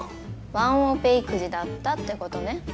ワンオペ育児だったってことね。